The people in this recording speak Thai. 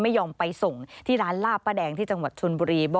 ไม่ยอมไปส่งที่ร้านลาบป้าแดงที่จังหวัดชนบุรี